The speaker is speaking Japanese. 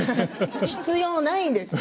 必要ないんです。